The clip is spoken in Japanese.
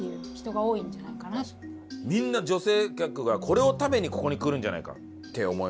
みんな女性客がこれを食べにここに来るんじゃないかって思いました。